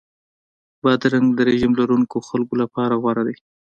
بادرنګ د رژیم لرونکو خلکو لپاره غوره دی.